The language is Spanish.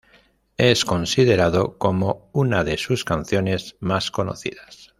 Es considerado como una de sus canciones más conocidas.